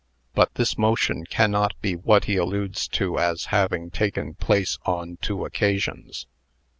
But this motion cannot be what he alludes to as having taken place on two occasions.